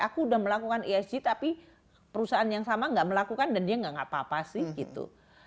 aku udah melakukan esg tapi perusahaan yang sama nggak melakukan dan dia nggak apa apa sih gitu